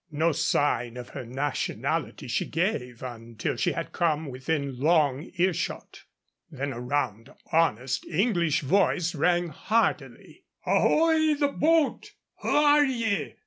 No sign of her nationality she gave until she had come within long earshot. Then a round, honest English voice rang heartily: "Ahoy the boat! Who are ye?